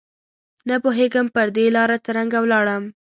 نه پوهېږم پر دې لاره څرنګه ولاړم